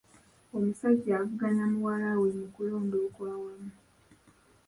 Omusajja avuganya muwala we mu kulonda okwawamu.